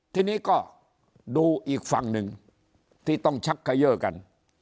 ทีนี้ก็ดูอีกฝั่งหนึ่งที่ต้องชักเขย่อกัน